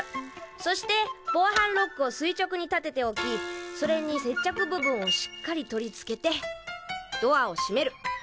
そして防犯ロックを垂直に立てておきそれに接着部分をしっかり取り付けてドアを閉める。